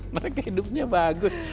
mereka hidupnya bagus